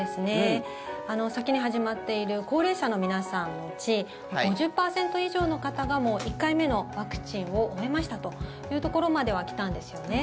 先に始まっている高齢者の皆さんのうち５０％以上の方がもう１回目のワクチンを終えましたというところまでは来たんですよね。